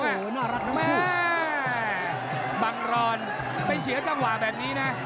โอ้โหน่ารักนะแม่บังรอนไปเสียจังหวะแบบนี้นะ